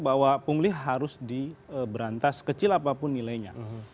bahwa pungli harus diberantas kecil apapun nilainya